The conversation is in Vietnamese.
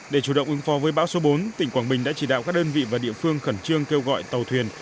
để chủ động ứng phó với bão số bốn tỉnh quảng bình đã chỉ đạo các đơn vị và địa phương khẩn trương kêu gọi tàu thuyền